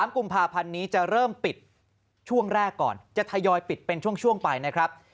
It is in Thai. ๓กุมภาพันธ์นี้จะเริ่มปิดช่วงแรกก่อนจะทยอยปิดเป็นช่วงไปนะครับ